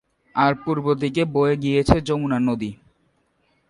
আর পূর্ব দিক দিয়ে বয়ে গিয়েছে যমুনা নদী।